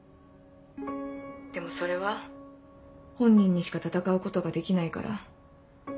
でもそれは本人にしか闘うことができないから。